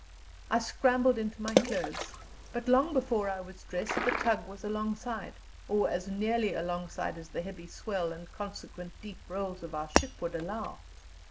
I scrambled into my clothes, but long before I was dressed the tug was alongside, or as nearly alongside as the heavy swell and consequent deep rolls of our ship would allow.